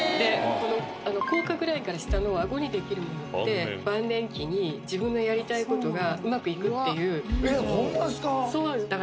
この口角ラインから下のアゴにできるものって晩年期に自分のやりたいことが上手くいくっていうえっホンマですか？